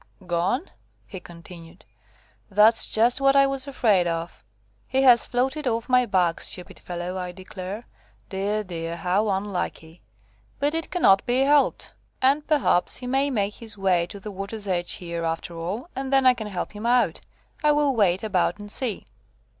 gone?" he continued. "that's just what I was afraid of. He has floated off my back, stupid fellow, I declare. Dear, dear, how unlucky! but it cannot be helped. And, perhaps, he may make his way to the water's edge here after all, and then I can help him out. I will wait about and see."